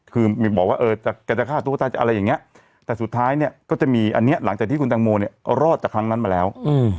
คือบอกว่าแกจะฆ่าตัวตายจะอะไรอย่างนี้แต่สุดท้ายเนี่ยก็จะมีอันนี้หลังจากที่คุณแตงโมเนี่ยรอดจากครั้งนั้นมาแล้ว